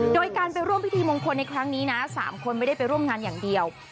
โดยการไปร่วมพิธีมงคลในครั้งนี้นะ๓คนไม่ได้ไปร่วมงานอย่างเดียว